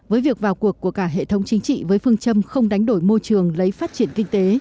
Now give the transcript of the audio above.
với việc vào cuộc của cả hệ thống chính trị với phương châm không đánh đổi môi trường lấy phát triển kinh tế